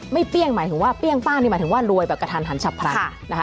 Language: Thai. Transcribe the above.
ไม่เปรี้ยงหมายถึงว่าเปรี้ยงปั้นหมายถึงว่ารวยแบบกระทันหันฉับพลัง